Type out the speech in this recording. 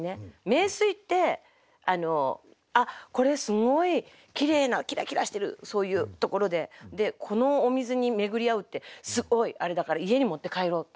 名水ってあっこれすごいきれいなキラキラしてるそういうところでこのお水に巡り会うってすごいあれだから家に持って帰ろう。